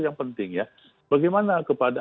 yang penting ya bagaimana kepada